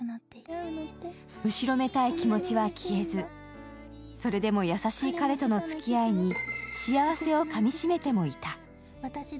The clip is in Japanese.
後ろめたい気持ちは消えず、それでも優しい彼とのつきあいに幸せをかみしめてもいた。